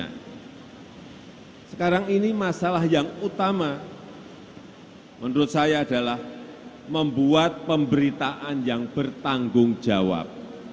hai sekarang ini masalah yang utama hai menurut saya adalah membuat pemberitaan yang bertanggung jawab